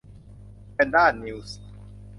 แพนด้านิวส์